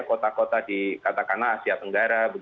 kota kota di katakanlah asia tenggara